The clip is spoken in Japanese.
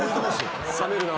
冷めるな。